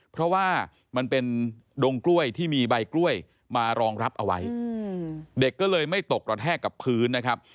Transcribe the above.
เพราะว่ามันเป็นดงกล้วยที่มีใบกล้วยมารองรับเอาไว้เด็กก็เลยไม่ตกกระแทกกับพื้นนะครับ